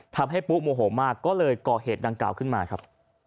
ปุ๊โมโหมากก็เลยก่อเหตุดังกล่าวขึ้นมาครับ